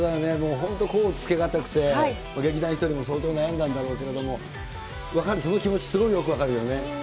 本当、甲乙つけ難くて、劇団ひとりも相当悩んだんだろうけれども、分かる、その気持ち、すごいよく分かるよね。